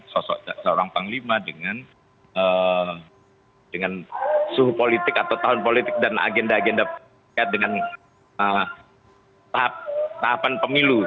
sosok seorang panglima dengan suhu politik atau tahun politik dan agenda agenda dengan tahapan pemilu